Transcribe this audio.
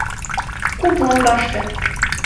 куп лоҥгаште